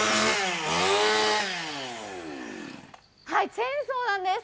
チェーンソーなんです。